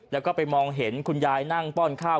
แล้วก็ไปมองเห็นคุณยายนั่งป้อนข้าว